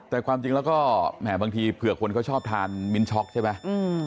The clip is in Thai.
แต่ความจริงแล้วก็แหมบางทีเผื่อคนเขาชอบทานมิ้นช็อกใช่ไหม